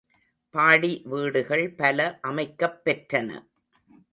பாடி வீடுகள் பல அமைக்கப்பெற்றன.